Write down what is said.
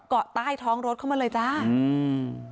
เกาะใต้ท้องรถเข้ามาเลยจ้าอืม